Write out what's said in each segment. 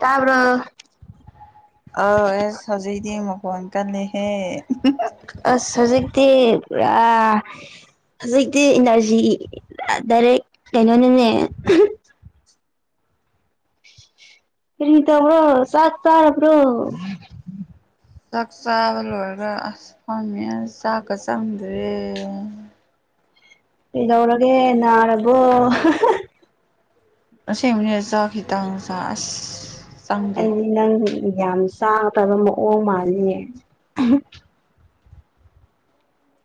ꯇꯥꯕ꯭ꯔꯣ ꯑ ꯑꯦꯁ ꯍꯧꯖꯤꯛꯇꯤ ꯃꯈꯣꯟ ꯀꯜꯂꯦꯍꯦ ꯑꯁ ꯍꯧꯖꯤꯛꯇꯤ ꯄꯨꯔꯥ ꯍꯧꯖꯤꯛꯇꯤ ꯏꯅ꯭ꯔꯖꯤ ꯗ ꯗꯥꯏꯔꯦꯛ ꯀꯩꯅꯣꯅꯤꯅꯦ ꯀꯔꯤ ꯇꯧꯕ꯭ꯔꯣ ꯆꯥꯛ ꯆꯥꯔꯕ꯭ꯔꯣ ꯆꯥꯛ ꯆꯥꯕ ꯂꯣꯏꯔꯒ ꯑꯁ ꯐꯝꯃꯤ ꯑꯁ ꯆꯥꯛꯀ ꯆꯪꯗ꯭ꯔꯦ ꯀꯩꯗꯧꯔꯒꯦ ꯅꯥꯔꯕꯣ ꯑꯁꯦꯡꯕꯅꯦ ꯆꯥꯛ ꯈꯤꯇꯪꯆꯥ ꯑꯁ ꯆꯪꯗꯦ ꯑꯩꯗꯤ ꯅꯪ ꯌꯥꯝ ꯆꯥꯗꯕ ꯃꯑꯣꯡ ꯃꯥꯜꯂꯤꯅꯦ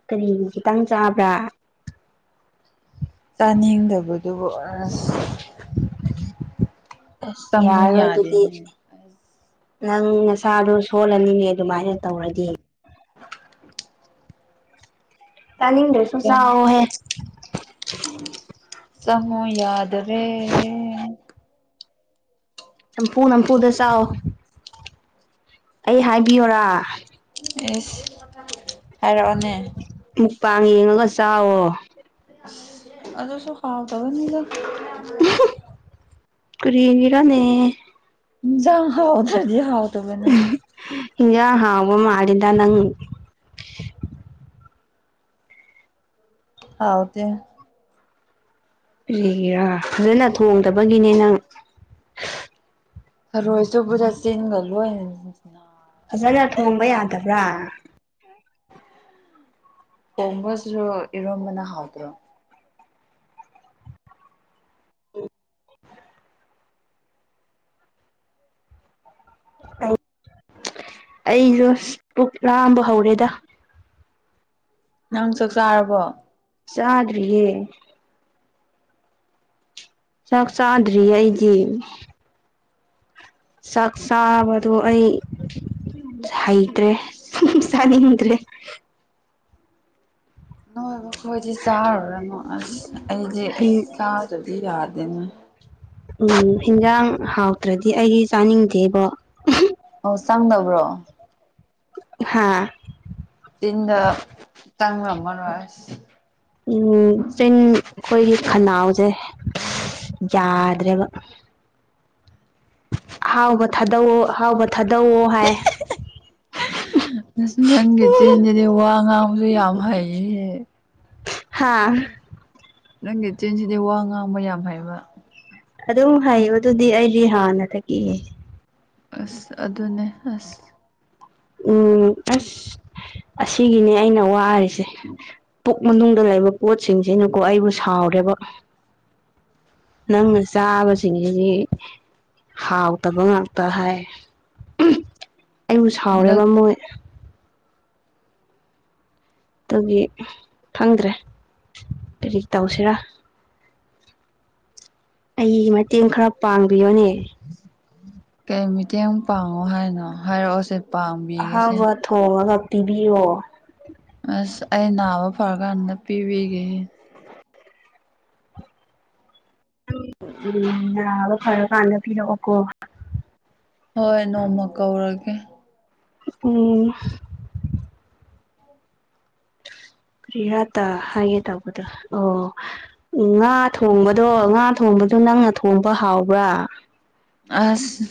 ꯀꯔꯤꯒꯤ ꯈꯤꯇꯪ ꯆꯥꯕ꯭ꯔꯥ ꯆꯥꯅꯤꯡꯗꯕꯗꯨꯕꯨ ꯑꯁ ꯑꯁ ꯆꯪꯉꯨ ꯌꯥꯔꯣꯏ ꯑꯗꯨꯗꯤ ꯌꯥꯗꯦꯅꯦ ꯑꯁ ꯅꯪ ꯅꯁꯥꯗꯣ ꯁꯣꯜꯂꯅꯤꯅꯦ ꯑꯗꯨꯃꯥꯏꯅ ꯇꯧꯔꯗꯤ [inaudible] ꯇꯥꯅꯤꯡꯗ꯭ꯔ [unintelligible] ꯆꯪꯉꯣ ꯌꯥꯗꯔꯦ ꯅꯝꯐꯨ ꯅꯝꯐꯨꯗ ꯆꯥꯎ ꯑꯩ ꯍꯥꯏꯕꯤꯌꯣꯔꯥ ꯏꯁ ꯍꯥꯏꯔꯛꯑꯣꯅꯦ ꯃꯨꯛꯄꯥꯡ ꯌꯦꯡꯉꯒ ꯆꯥꯋꯣ ꯑꯗꯨꯁꯨ ꯍꯎꯇꯕꯅꯤꯗ ꯀꯔꯤꯒꯤꯔꯅꯦ ꯏꯟꯖꯡ ꯍꯥꯎꯇ꯭ꯔꯗꯤ ꯍꯥꯎꯇꯕꯅꯦ ꯍꯤꯖꯥꯡ ꯍꯥꯎꯕ ꯃꯥꯜꯂꯤꯗ ꯅꯪ ꯍꯥꯎꯇꯦ ꯀ꯭ꯔꯤꯒꯤꯔꯥ ꯐꯖꯅ ꯊꯣꯡꯗꯕꯒꯤꯅꯦ ꯅꯪ ꯊꯔꯣꯏ ꯆꯨꯞꯄꯗ ꯆꯤꯟꯒ ꯂꯣꯏꯅ ꯐꯖꯅ ꯊꯣꯡꯕ ꯌꯥꯗꯕ꯭ꯔꯥ ꯊꯣꯡꯕ ꯁꯔꯨꯛ ꯏꯔꯣꯝꯕꯅ ꯍꯥꯥꯎꯇ꯭ꯔꯣ ꯑꯩ ꯑꯩꯖꯨ ꯑꯁ ꯄꯨꯛ ꯂꯥꯝꯕ ꯍꯧꯔꯦꯗ ꯅꯪ ꯆꯛ ꯆꯥꯔꯕꯣ ꯆꯥꯗ꯭ꯔꯤꯌꯦ ꯆꯥꯛ ꯆꯥꯗ꯭ꯔꯤ ꯑꯩꯗꯤ ꯆꯥꯛ ꯆꯥꯕꯗꯣ ꯑꯩ ꯍꯩꯇ꯭ꯔꯦ ꯆꯥꯅꯤꯡꯗ꯭ꯔꯦ ꯅꯣꯏ ꯃꯈꯣꯏꯗꯤ ꯆꯥꯔꯨꯔꯅꯨ ꯑꯁ ꯑꯩꯗꯤ ꯏꯁ ꯆꯥꯗꯗꯤ ꯌꯥꯗꯦꯅꯦ ꯎꯝ ꯍꯤꯟꯖꯥꯡ ꯍꯥꯎꯇ꯭ꯔꯗꯤ ꯑꯩꯗꯤ ꯆꯥꯅꯤꯡꯗꯦꯕꯣ ꯎꯍꯨꯝ ꯑꯣ ꯆꯪꯗꯕ꯭ꯔꯣ ꯍꯥꯥ ꯆꯤꯟꯗ ꯆꯪꯔꯝꯃꯔꯣꯏ ꯑꯁ ꯎꯝ ꯆꯤꯟ ꯑꯈꯣꯏꯒꯤ ꯈꯅꯥꯎꯖꯦ [unintelligible] ꯌꯥꯗ꯭ꯔꯦꯕ ꯑꯍꯥꯎꯕ ꯊꯥꯗꯧꯑꯣ ꯑꯍꯥꯎꯕ ꯊꯥꯗꯧꯑꯣ ꯍꯥꯏ ꯑꯁ ꯅꯪꯒꯤ ꯆꯤꯟꯖꯤꯗꯤ ꯋꯥ ꯉꯥꯡꯕꯖꯨ ꯌꯥꯝ ꯍꯩꯍꯦ ꯍꯥꯥ ꯅꯪꯒꯤ ꯆꯤꯟꯁꯤꯗꯤ ꯋꯥ ꯉꯥꯡꯕ ꯌꯥꯝ ꯍꯩꯕ ꯑꯗꯨꯝ ꯍꯩꯕꯗꯨꯗꯤ ꯑꯩꯗꯤ ꯍꯥꯟꯅꯗꯒꯤ ꯑꯁ ꯑꯗꯨꯅꯦ ꯑꯁ ꯎꯝ ꯑꯁ ꯑꯁꯤꯒꯤꯅꯦ ꯑꯩꯅ ꯋꯥꯔꯤꯁꯦ ꯄꯨꯛ ꯃꯅꯨꯡꯗ ꯂꯩꯕ ꯄꯣꯠꯁꯤꯡꯁꯤꯅꯀꯣ ꯑꯩꯕꯨ ꯁꯥꯎꯔꯦꯕ ꯅꯪꯅ ꯆꯥꯕꯁꯤꯡꯖꯤꯗꯤ ꯍꯥꯎꯇꯕ ꯉꯥꯛꯇ ꯍꯥꯏ ꯑꯩꯕꯨ ꯍꯟꯗꯛ ꯁꯥꯎꯔꯦꯕ ꯃꯣꯏ ꯇꯨꯒꯤ ꯈꯪꯗ꯭ꯔꯦ ꯀꯔꯤ ꯇꯧꯁꯦꯔꯥ ꯑꯩ ꯃꯇꯦꯡ ꯈꯔ ꯄꯥꯡꯕꯤꯌꯣꯅꯦ ꯀꯩ ꯃꯇꯦꯡ ꯄꯥꯡꯉꯣ ꯍꯥꯏꯅꯣ ꯍꯥꯏꯔꯛꯑꯣꯁꯦ ꯄꯥꯡꯕꯤꯒꯦꯁꯦ ꯑꯍꯥꯎꯕ ꯊꯣꯡꯉꯒ ꯄꯤꯕꯤꯌꯣ ꯑꯁ ꯑꯩ ꯅꯥꯕ ꯐꯔ ꯀꯥꯟꯗ ꯄꯤꯕꯤꯒꯦꯍꯦ ꯑꯗꯨ ꯅꯥꯕ ꯐꯔ ꯀꯥꯟꯗ ꯄꯤꯔꯛꯑꯣꯀꯣ ꯍꯣꯏ ꯅꯣꯡꯃ ꯀꯧꯔꯒꯦ ꯎꯝ ꯀ꯭ꯔꯤꯔꯥ ꯇ ꯍꯥꯏꯒꯦ ꯇꯧꯕꯗꯣ ꯑꯣ ꯉꯥ ꯊꯣꯡꯕꯗꯣ ꯉꯥ ꯊꯣꯡꯕꯗꯣ ꯅꯪꯅ ꯊꯣꯡꯕ ꯍꯥꯎꯕ꯭ꯔꯥ ꯑꯁ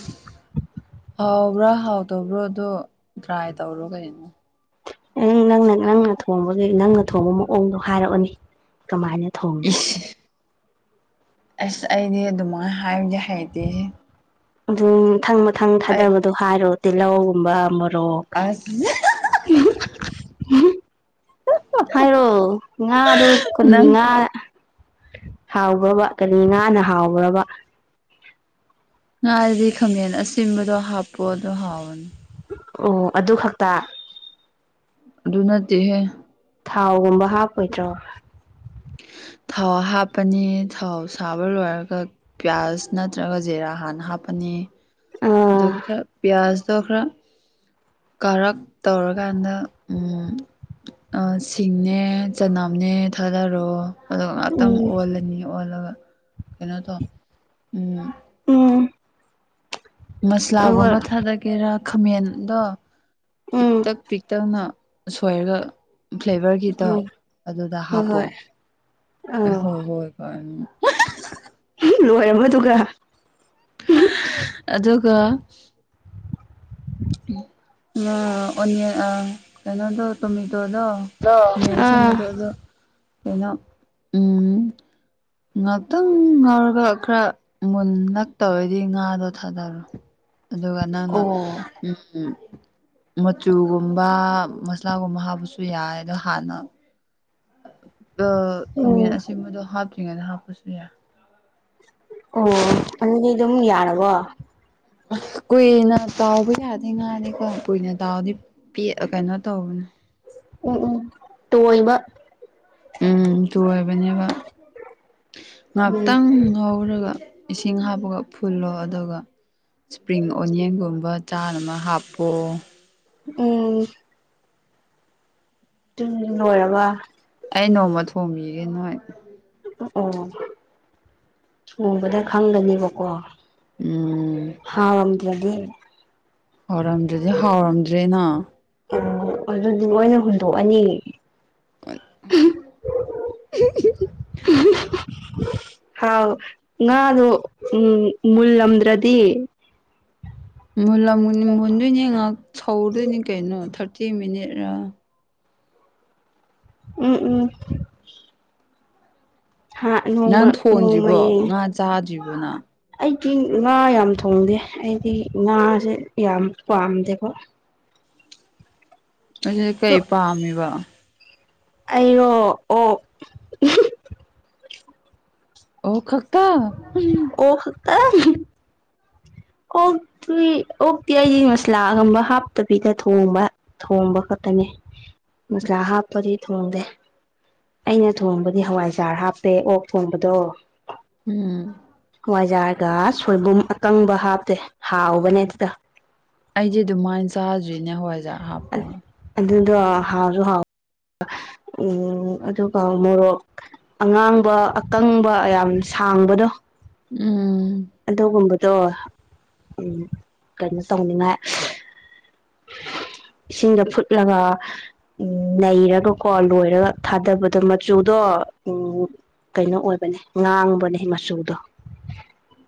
ꯍꯥꯎꯕ꯭ꯔꯥ ꯍꯥꯎꯇꯕ꯭ꯔꯣ ꯗꯣ ꯇ꯭ꯔꯥꯏ ꯇꯧꯔꯣ ꯀꯩꯅꯣ ꯑꯩ ꯅꯪꯅ ꯅꯪꯅ ꯊꯣꯡꯕꯒꯤ ꯅꯪꯅ ꯊꯣꯡꯕ ꯃꯑꯣꯡꯗꯣ ꯍꯥꯏꯔꯛꯑꯣꯅꯦ ꯀꯃꯥꯏꯅ ꯊꯣꯡꯕ꯭ꯔꯥ ꯏꯁ ꯑꯁ ꯑꯩꯗꯤ ꯑꯗꯨꯃꯥꯏ ꯍꯥꯏꯕꯗꯤ ꯍꯩꯇꯦꯍꯦ ꯑꯗꯨ ꯃꯊꯪ ꯃꯊꯪ ꯑꯩ ꯊꯥꯗꯕꯗꯣ ꯍꯥꯏꯔꯣ ꯇꯤꯜꯂꯧꯒꯨꯝꯕ ꯃꯣꯔꯣꯛ ꯑꯁ ꯍꯥꯏꯔꯣ ꯉꯥꯗꯨ ꯀꯔꯤ ꯅꯪ ꯉꯥ ꯍꯥꯎꯕ꯭ꯔꯕ ꯀꯔꯤ ꯉꯥꯅ ꯍꯥꯎꯕ꯭ꯔꯕ ꯉꯥꯗꯗꯤ ꯈꯥꯉꯦꯟ ꯑꯁꯤꯟꯕꯗꯣ ꯍꯥꯞꯄꯣ ꯑꯗꯨ ꯍꯥꯎꯅꯤ ꯑꯣ ꯑꯗꯨ ꯈꯛꯇ ꯑꯗꯨ ꯅꯠꯇꯦꯍꯦ ꯊꯥꯎꯒꯨꯝꯕ ꯍꯥꯞꯄꯣꯏꯗ꯭ꯔꯣ ꯊꯥꯎ ꯍꯥꯞꯄꯅꯤ ꯊꯥꯎ ꯁꯥꯕ ꯂꯣꯏꯔꯒ ꯄꯤꯌꯥꯁ ꯅꯠꯇ꯭ꯔꯒ ꯖꯦꯔꯥ ꯍꯥꯟꯅ ꯍꯥꯞꯄꯅꯤ ꯑꯗꯨꯒ ꯑꯥ ꯈꯔ ꯄꯤꯌꯥꯁꯇꯣ ꯈꯔ ꯀꯥꯔꯛ ꯇꯧꯔꯀꯥꯟꯗ ꯎꯝ ꯑꯥ ꯁꯤꯡꯅꯦ ꯆꯅꯝꯅꯦ ꯊꯥꯗꯔꯣ ꯑꯗꯨꯒ ꯉꯥꯛꯇꯪ ꯎꯝ ꯑꯣꯜꯂꯅꯤ ꯑꯣꯜꯂꯒ ꯀꯩꯅꯣ ꯇꯣ ꯎꯝ ꯎꯝ ꯑꯗꯨꯒ ꯃꯁ꯭ꯂꯥꯒꯨꯝꯕ ꯊꯥꯗ ꯀꯦꯔ ꯈꯥꯃꯦꯟꯗꯣ ꯎꯝ ꯄꯤꯛꯇꯛ ꯄꯤꯛꯇꯛ ꯁꯣꯏꯔꯒ ꯐ꯭ꯂꯦꯚꯔꯒꯤꯗꯣ ꯍꯣꯏ ꯑꯗꯨꯗ ꯍꯣꯏ ꯍꯥꯞꯄꯣ ꯍꯣꯏ ꯑꯥ [unintelligible] ꯂꯣꯏꯔꯝꯕꯣ ꯑꯗꯨꯒ ꯑꯗꯨꯒ ꯑꯣꯅ꯭ꯌꯟ ꯑ ꯀꯩꯅꯣꯗꯣ ꯇꯣꯃꯦꯇꯣꯗꯣ ꯈꯥꯃꯦꯟ ꯑꯥ ꯑꯁꯤꯟꯕꯗꯣ ꯑꯗꯣ ꯀꯩꯅꯣ ꯎꯝ ꯉꯥꯛꯇꯪ ꯉꯧꯔꯒ ꯈꯔ ꯃꯨꯟꯂꯛ ꯇꯧꯔꯗꯤ ꯉꯥꯗꯣ ꯊꯥꯗꯔꯣ ꯑꯗꯨꯒ ꯅꯪꯅ ꯑꯣ ꯎꯝ ꯃꯆꯨꯒꯨꯝꯕ ꯃꯁꯂꯥꯒꯨꯝꯕ ꯍꯥꯞꯄꯁꯨ ꯌꯥꯏ ꯑꯗꯣ ꯍꯥꯟꯅ ꯈꯃꯦꯟ ꯎꯝ ꯑꯁꯤꯕꯗꯣ ꯍꯥꯞꯇ꯭ꯔꯤꯉꯩꯗ ꯍꯥꯞꯄꯁꯨ ꯌꯥꯏ ꯑꯣ ꯑꯗꯨꯗꯤ ꯑꯗꯨꯝ ꯌꯥꯔꯕꯣ ꯀꯨꯏꯅ ꯇꯥꯎꯕ ꯌꯥꯗ ꯉꯥꯅꯤ ꯀꯣ ꯀꯨꯏꯅ ꯇꯥꯎꯗꯤ ꯄꯦꯠ ꯀꯩꯅꯣ ꯇꯧꯕꯅꯦ ꯎꯝ ꯎꯝ ꯇꯣꯏꯕ ꯎꯝ ꯆꯣꯏꯕꯅꯦꯕ ꯎꯝ ꯉꯍꯥꯛꯇꯪ ꯉꯧꯔꯒ ꯏꯁꯤꯡ ꯍꯥꯞꯄꯒ ꯐꯨꯜꯂꯣ ꯑꯗꯨꯒ ꯏꯁꯄ꯭ꯔꯤꯡ ꯑꯣꯅꯤꯌꯟꯒꯨꯝꯕ ꯆꯥꯅꯕ ꯍꯥꯞꯄꯣꯑꯣ ꯎꯝ ꯇꯤ ꯂꯣꯏꯔꯕ ꯑꯩ ꯅꯣꯡꯃ ꯊꯣꯡꯕꯤꯒꯦ ꯅꯣꯏ ꯑꯣ ꯅꯣꯡꯕꯗ ꯈꯪꯒꯅꯦꯕꯀꯣ ꯎꯝ ꯍꯥꯎ ꯑꯣꯝꯗꯔꯥꯗꯤ ꯍꯥꯎꯔꯝꯗ꯭ꯔꯗꯤ ꯍꯥꯎꯔꯝꯗ꯭ꯔꯦꯅ ꯎ ꯑꯗꯨꯗꯤ ꯂꯣꯏꯅ ꯍꯨꯟꯗꯣꯛꯑꯅꯤ ꯑ [unintelligible] ꯍꯥꯎ ꯉꯥꯗꯣ ꯎꯝ ꯃꯨꯜꯂꯝꯗ꯭ꯔꯗꯤ ꯃꯨꯜꯂꯝ ꯃꯨꯟꯗꯣꯏꯅꯤ ꯉꯥꯏꯍꯥꯛ ꯁꯧꯗꯣꯏꯅꯤ ꯀꯩꯅꯣ ꯊꯥꯔꯇꯤ ꯃꯤꯅꯤꯠꯔꯥ ꯎꯝ ꯎꯝ ꯍꯥꯥ ꯅꯣꯡꯃ ꯅꯪ ꯅꯣꯡꯃ ꯊꯣꯡꯗ꯭ꯔꯤꯕꯣ ꯌꯦ ꯉꯥ ꯆꯥꯗ꯭ꯔꯤꯕꯣ ꯅꯪ ꯑꯩꯗꯤ ꯉꯥ ꯌꯥꯝ ꯊꯣꯡꯗꯦ ꯑꯩꯗꯤ ꯉꯥꯁꯦ ꯌꯥꯝ ꯄꯥꯝꯗꯦꯀꯣ ꯗꯨꯗꯤ ꯑꯗꯣ ꯀꯩ ꯄꯥꯝꯃꯤꯕ ꯑꯩꯔꯣ ꯑꯣꯛ ꯑꯣꯛ ꯈꯛꯇ ꯑꯣ ꯈꯛꯇ ꯑꯣꯛꯇꯨ ꯑꯣꯛꯇꯤ ꯑꯩꯗꯤ ꯃꯁꯂꯥꯒꯨꯝꯕ ꯍꯥꯞꯇꯕꯤꯗ ꯊꯣꯡꯕ ꯊꯣꯡꯕ ꯈꯛꯇꯅꯤ ꯃꯁꯂꯥ ꯍꯥꯞꯄꯗꯤ ꯊꯣꯡꯗꯦ ꯑꯩꯅ ꯊꯣꯡꯕꯗꯤ ꯍꯋꯥꯏꯖꯥꯔ ꯍꯥꯞꯄꯦ ꯑꯣꯛ ꯊꯣꯡꯕꯗꯣ ꯎꯝ ꯋꯥꯏꯖꯥꯔꯒ ꯁꯣꯏꯕꯨꯝ ꯑꯀꯪꯕ ꯍꯥꯞꯇꯦ ꯍꯥꯎꯕꯅꯦ ꯑꯗꯨꯗ ꯑꯩꯗꯤ ꯑꯗꯨꯃꯥꯏꯅ ꯆꯥꯗ꯭ꯔꯤꯅꯦ ꯍꯋꯥꯏꯖꯥꯛ ꯍꯥꯞꯄꯒ ꯑꯗꯨꯗꯣ ꯍꯥꯔꯁꯨ ꯍꯥꯎ ꯎꯝ ꯑꯗꯨꯒ ꯃꯣꯔꯣꯛ ꯑꯉꯥꯡꯕ ꯑꯀꯪꯕ ꯌꯥꯝ ꯁꯥꯡꯕꯗꯣ ꯎꯝ ꯑꯗꯨꯒꯨꯝꯕꯗꯣ ꯎꯝ ꯀꯩꯅꯣ ꯇꯧꯅꯤꯡꯉꯥꯏ ꯏꯁꯤꯡꯗ ꯐꯨꯠꯂꯒ__ ꯎꯝ ꯅꯩꯔꯒꯀꯣ ꯂꯣꯏꯔꯒ ꯊꯥꯗꯕꯗꯣ ꯃꯆꯨꯗꯣ ꯎꯝ__ ꯀꯩꯅꯣ ꯑꯣꯏꯕꯅꯦ ꯉꯥꯡꯕꯅꯦ ꯃꯆꯨꯗꯣ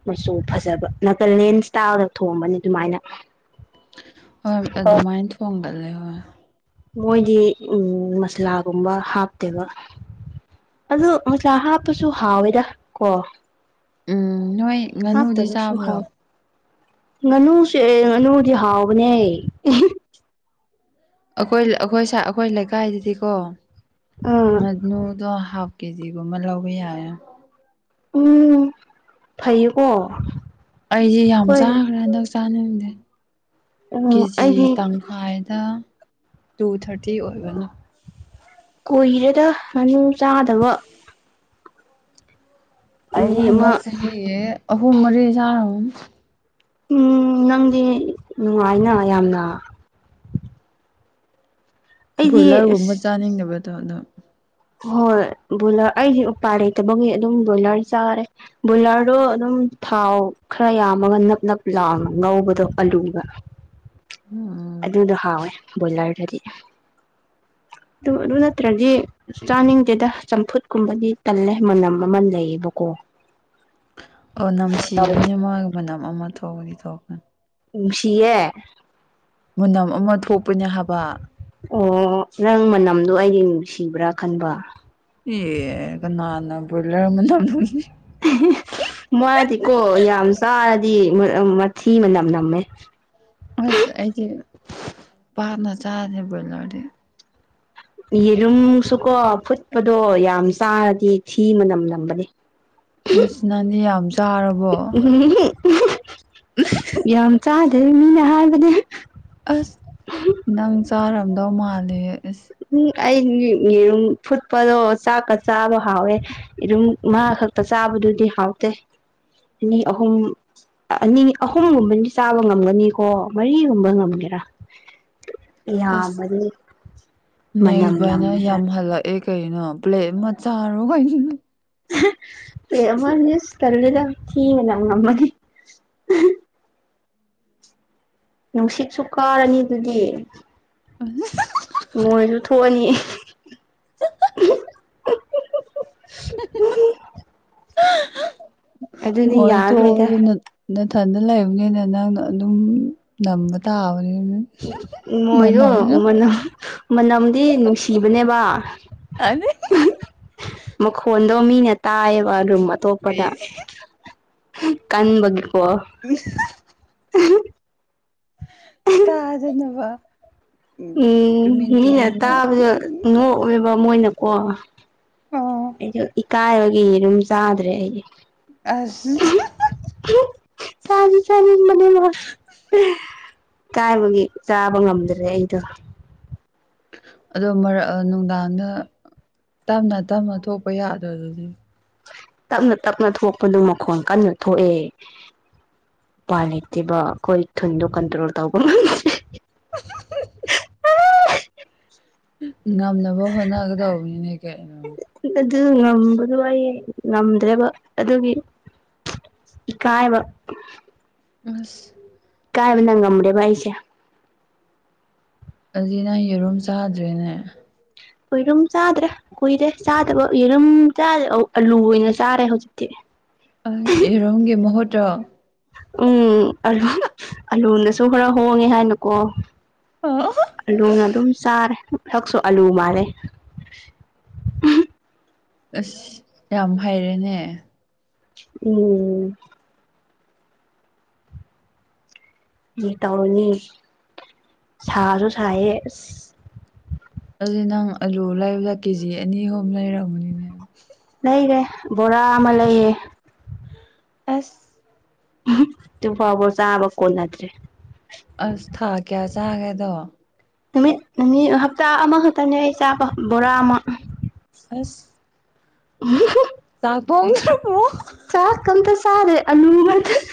ꯃꯆꯨ ꯐꯖꯕ__ ꯀꯂꯦꯟ ꯁꯇꯥꯜꯗ ꯊꯣꯝꯕꯅꯤ ꯑꯗꯨꯃꯥꯏꯅ꯫ ꯍꯣꯏ ꯑꯗꯨꯃꯥꯏꯅ ꯊꯣꯡꯒꯠꯂꯦ ꯍꯣꯏ꯫ ꯃꯣꯏꯗꯤ ꯎꯝ ꯃꯁ꯭ꯂꯥꯒꯨꯝꯕ ꯍꯥꯞꯇꯦꯕ꯫ ꯑꯗꯨ ꯃꯆ꯭ꯂꯥ ꯍꯥꯞꯇꯁꯨ ꯍꯥꯎꯋꯦꯗ ꯀꯣ꯫ ꯎꯝ ꯅꯣꯏ ꯉꯥꯅꯨꯗꯤ ꯍꯥꯞꯇꯕꯁꯨ ꯆꯥꯕ꯭ꯔꯣ꯫ ꯍꯥꯎꯋꯦ ꯉꯥꯅꯨꯁꯦ ꯉꯥꯅꯨꯗꯤ ꯍꯥꯎꯕꯅꯦ꯫ ꯑꯩꯈꯣꯏ ꯑꯩꯈꯣꯏꯁꯥ ꯑꯩꯈꯣꯏ ꯂꯩꯀꯥꯏꯗꯗꯤꯀꯣ__ ꯑꯝ꯫ ꯉꯥꯅꯨ ꯗꯣ ꯍꯥꯞ ꯀꯦꯖꯤꯒꯨꯝꯕ ꯂꯧꯕ ꯌꯥꯔꯦ꯫ ꯎꯝ ꯐꯌꯦꯀꯣ꯫ ꯑꯩꯗꯤ ꯌꯥꯝ ꯆꯥꯈ꯭ꯔꯦ ꯍꯟꯗꯛ ꯆꯥꯅꯤꯡꯗꯦ ꯎꯝ ꯀꯦꯖꯤ ꯑꯩꯗꯤ ꯇꯪꯈꯥꯏ ꯀꯦꯒꯤ ꯇꯥꯡꯈꯥꯏꯗ ꯇꯨ ꯊꯥꯔꯇꯤ ꯑꯣꯏꯕꯅꯤ꯫ ꯀꯨꯏꯔꯦꯗ ꯉꯥꯅꯨ ꯆꯥꯗꯕ꯫ ꯑꯩ ꯅꯨꯃꯤꯠ ꯑꯃ ꯍꯟꯗꯛ ꯆꯍꯤꯒꯤ ꯑꯍꯨꯝ ꯃꯔꯤ ꯆꯥꯔꯝꯅꯤ ꯎꯝ ꯅꯪꯗꯤ ꯅꯨꯡꯉꯥꯏꯅ ꯌꯥꯝꯅ꯫ ꯑꯩꯗꯤ ꯕꯣꯏꯂꯔꯒꯨꯝꯕ ꯑꯁ ꯆꯥꯅꯤꯡꯗꯕꯗꯣ ꯑꯗꯣ꯫ ꯍꯣꯏ ꯕꯣꯏꯂꯔ ꯑꯩꯗꯤ ꯎꯄꯥꯏ ꯂꯩꯇꯕꯒꯤ ꯑꯗꯨꯝ ꯕꯣꯏꯂꯔ ꯆꯥꯔꯦ꯫ ꯕꯣꯏꯂꯔꯗꯣ ꯑꯗꯨꯝ ꯊꯥꯎ ꯈꯔ ꯌꯥꯝꯃꯒ ꯅꯞ ꯅꯞ ꯂꯥꯎꯅꯥ ꯉꯧꯕꯗꯣ ꯑꯂꯨꯒꯥ [inaudible] [inaudible] ꯎꯝ ꯑꯗꯨꯗꯣ ꯍꯥꯎꯋꯦ ꯕꯣꯏꯂꯔꯗꯗꯤ ꯗꯨ ꯗꯨ ꯅꯠꯇ꯭ꯔꯗꯤ ꯆꯥꯅꯤꯡꯗꯦꯗ ꯆꯝꯐꯨꯠ ꯀꯨꯝꯕꯗꯤ ꯇꯜꯂꯦ ꯃꯅꯝ ꯑꯃ ꯂꯩꯌꯦꯕꯀꯣ꯫ ꯑꯣ ꯅꯝꯊꯤꯕꯅꯦ ꯃꯥꯒꯤ ꯃꯅꯝ ꯑꯃ ꯊꯣꯛꯄꯥꯅꯤ ꯊꯣꯛꯄꯥꯅꯤ ꯅꯨꯡꯁꯤꯌꯦ꯫ ꯃꯅꯝ ꯑꯃ ꯊꯣꯛꯄꯅꯤ ꯍꯥꯏꯕ꯫ ꯑꯣ ꯅꯪ ꯃꯅꯝꯗꯣ ꯑꯩꯗꯤ ꯅꯨꯡꯁꯤꯕ꯭ꯔꯥ ꯈꯟꯕꯔ ꯑꯦ ꯀꯅꯥꯅ ꯕ꯭ꯔꯣꯏꯂꯔ ꯑꯃꯅꯝ ꯃꯥꯗꯤꯀꯣ ꯌꯥꯝ ꯆꯥꯗꯤ ꯃꯊꯤ ꯃꯅꯝ ꯅꯝꯃꯦ꯫ ꯑꯁ ꯑꯩꯗꯤ ꯄꯥꯅ ꯆꯥꯗꯦ ꯕ꯭ꯔꯣꯏꯂꯔꯗꯤ꯫ ꯌꯦꯔꯨꯝꯁꯨꯀꯣ ꯐꯨꯠꯄꯗꯣ ꯌꯥꯝ ꯆꯥꯔꯗꯤ ꯊꯤ ꯃꯅꯝ ꯅꯝꯕꯅꯦ꯫ ꯑꯁ ꯅꯪꯗꯤ ꯌꯥꯝ ꯆꯥꯔꯕꯣ [inaudible] ꯍꯨꯝ [unintelligible] ꯆꯥꯗꯦ ꯃꯤꯅ ꯍꯥꯏꯕꯅꯤ꯫ ꯑꯁ ꯅꯪ ꯆꯥꯔꯝꯗꯧ ꯃꯥꯜꯂꯦ ꯏꯁ꯫ ꯎꯝ ꯑꯩ ꯌꯦꯔꯨꯝ ꯐꯨꯠꯄꯗꯣ ꯆꯥꯛꯀ ꯆꯥꯕ ꯍꯥꯎꯋꯦ꯫ ꯑꯦꯔꯨꯝ ꯃꯥ ꯈꯛꯇ ꯆꯥꯕꯗꯨꯗꯤ ꯍꯥꯎꯇꯦ꯫ ꯑꯅꯤ ꯑꯍꯨꯝ ꯑꯅꯤ ꯑꯍꯨꯝꯒꯨꯝꯕꯗꯤ ꯆꯥꯕ ꯉꯝꯒꯅꯤ꯫ ꯑꯣ ꯃꯔꯤꯒꯨꯝꯕ ꯉꯝꯒꯦꯔꯥ ꯑꯁ ꯌꯥꯝꯃꯗꯤ ꯅꯦꯛꯁ ꯚꯥꯏꯅ ꯌꯥꯝ ꯍꯜꯂꯛꯑꯦ ꯀꯩꯅꯣ ꯄ꯭ꯂꯦꯠ ꯑꯃ ꯆꯥꯔꯣ ꯀꯩꯅ꯫ ꯄ꯭ꯂꯦ ꯑꯃꯗꯤ ꯇꯜꯂꯦꯗ ꯊꯤ ꯃꯅꯝ ꯅꯝꯒꯅꯤ꯫ ꯅꯨꯡꯁꯤꯠꯁꯨ ꯀꯥꯔꯅꯤ ꯗꯨꯗꯤ꯫ [unintelligible] ꯃꯣꯏꯖꯨ ꯊꯣꯛꯑꯥꯅꯤ꯫ [unintelligible] ꯑꯗꯨꯗꯤ ꯃꯣꯏ ꯌꯥꯔꯔꯣꯏꯗ ꯊꯣꯛꯑꯁꯨ ꯅꯊꯟꯗ ꯂꯩꯕꯅꯤꯅ ꯅꯪꯅ ꯑꯗꯨꯝ ꯅꯝꯕ ꯇꯥꯕꯅꯤ꯫ ꯃꯣꯏꯗꯣ ꯃꯅꯝ ꯃꯅꯝꯗꯤ ꯅꯨꯡꯁꯤꯕꯅꯦꯕ꯫ [unintelligible] [unintelligible] ꯃꯈꯣꯟꯗꯣ ꯃꯤꯅ ꯇꯥꯏꯌꯦꯕ ꯔꯨꯝ ꯑꯇꯣꯞꯄꯗ ꯑꯩꯁꯦ [unintelligible] ꯀꯟꯕꯒꯤꯀꯣ [unintelligible] [unintelligible] ꯇꯥꯗꯅꯕ ꯎꯝ ꯇꯨꯃꯤꯟ ꯇꯨꯃꯤꯟꯅ ꯎꯝ ꯅꯣꯛ ꯋꯦꯕꯥ ꯃꯣꯏꯅꯀꯣ ꯑꯣ ꯑꯩꯁꯨ ꯏꯀꯥꯏꯕꯟ ꯌꯦ ꯌꯦꯔꯨꯝ ꯆꯥꯗ꯭ꯔꯦ ꯑꯩ ꯑꯁ [unintelligible] [unintelligible] ꯆꯥꯗꯤ ꯆꯥꯅꯤꯡꯕꯅꯤꯅ [unintelligible] ꯀꯥꯏꯕꯒꯤ ꯆꯥꯕ ꯉꯝꯗꯥꯔꯦ ꯑꯩꯗꯣ ꯑꯗꯣ ꯃꯔꯛ ꯑꯥ ꯅꯨꯡꯗꯥꯡꯗ ꯑꯥ ꯇꯞꯅ ꯇꯞꯅ ꯊꯣꯛꯄ ꯌꯥꯗ꯭ꯔ ꯑꯗꯨꯗꯤ? ꯇꯞꯅ ꯇꯞꯅ ꯊꯣꯛꯄꯗꯨ ꯃꯈꯣꯟ ꯀꯟꯅ ꯊꯣꯛꯑꯦ꯫ ꯎꯄꯥꯏ ꯂꯩꯇꯦꯕ ꯑꯈꯣꯏ ꯊꯨꯟꯗꯣ ꯀꯟꯇ꯭ꯔꯣꯜ ꯇꯧꯕꯉꯝ [unintelligible] [unintelligible] ꯉꯝꯅꯕ ꯍꯣꯠꯅꯒꯗꯧꯕꯅꯤꯅꯦ ꯀꯩꯅꯣ ꯑꯗꯨ ꯉꯝꯕꯗꯣ ꯑꯩ ꯉꯝꯗ꯭ꯔꯦꯕ ꯑꯗꯨꯒꯤ ꯏꯀꯥꯏꯕ ꯑꯁ ꯏꯀꯥꯏꯕꯅ ꯉꯝꯗ꯭ꯔꯦꯕ ꯑꯩꯁꯦ ꯑꯗꯨꯗꯤ ꯅꯪ ꯌꯦꯔꯨꯝ ꯆꯥꯗ꯭ꯔꯦꯅꯦ? ꯑꯣꯏꯔꯨꯝ ꯆꯥꯗ꯭ꯔꯦ ꯀꯨꯏꯔꯦ ꯆꯥꯗꯕ ꯌꯦꯔꯨꯝ ꯆꯥꯗ ꯑꯧ ꯑꯂꯨ ꯑꯣꯏꯅ ꯆꯥꯔꯦ ꯍꯧꯖꯤꯛꯇꯤ ꯑꯩ ꯌꯦꯔꯨꯝꯒꯤ ꯃꯍꯨꯠꯇꯣ? ꯎꯝ ꯑꯂꯨ [unintelligible] ꯑꯂꯨ ꯅꯁꯨ ꯈꯔ ꯍꯣꯡꯉꯦ ꯍꯥꯏꯅꯀꯣ ꯑꯂꯨꯅ ꯑꯗꯨꯝ ꯆꯥꯔꯦ꯫ ꯍꯛꯁꯨ ꯑꯂꯨ ꯃꯥꯜꯂꯦ ꯎꯍꯨꯝ ꯑꯁ ꯌꯥꯝ ꯍꯩꯔꯦꯅꯦ ꯎꯝ ꯀ꯭ꯔꯤ ꯇꯧꯔꯨꯅꯤ ꯁꯥꯁꯨ ꯁꯥꯏꯌꯦ ꯑꯁ ꯑꯗꯨꯗꯤ ꯅꯪ ꯑꯂꯨ ꯂꯩꯕꯗ ꯀꯦ ꯖꯤ ꯑꯅꯤ ꯍꯨꯝ ꯂꯩꯔꯝꯒꯅꯤꯅꯦ? ꯂꯩꯔꯦ ꯕꯣꯔꯥ ꯑꯃ ꯂꯩꯌꯦ꯫ ꯑꯁ [unintelligible] ꯗꯨ ꯐꯥꯎꯕ ꯆꯥꯕ ꯀꯣꯟꯅꯗ꯭ꯔꯦ ꯑꯁ ꯊꯥ ꯀ꯭ꯌꯥ ꯆꯥꯒꯦꯗꯣ? ꯅꯨꯃꯤꯠ ꯅꯤꯅꯤ ꯑꯥ ꯍꯞꯇꯥ ꯑꯃꯈꯛꯇꯅꯦ ꯑꯩ ꯆꯥꯕ ꯕꯣꯔꯥ ꯑꯃ ꯑꯁ [unintelligible] ꯆꯥꯛ ꯊꯣꯛꯗ꯭ꯔꯕꯣ? ꯆꯥꯛꯀꯥ ꯑꯝꯇꯥ ꯆꯗ꯭ꯔꯦ ꯑꯂꯨ ꯉꯛꯇ [unintelligible]